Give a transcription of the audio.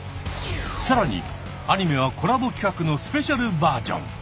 さらにアニメはコラボ企画のスペシャルバージョン！